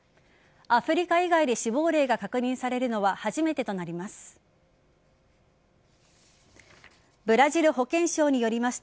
アフリカ以外で死亡例が確認されるのは初めてとなります。